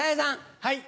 はい。